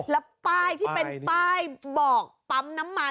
แล้วป้ายที่เป็นป้ายบอกปั๊มน้ำมัน